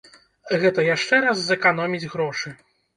Гэта яшчэ раз зэканоміць грошы.